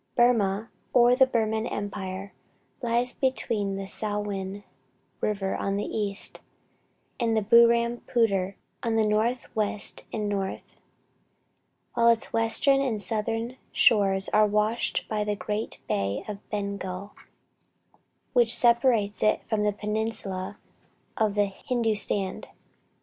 Burmah, or the Burman Empire, lies between the Salwen river on the east, and the Burrampooter on the northwest and north, while its western and southern shores are washed by the great bay of Bengal, which separates it from the peninsula of Hindustan.